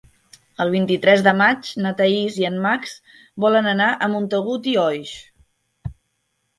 El vint-i-tres de maig na Thaís i en Max volen anar a Montagut i Oix.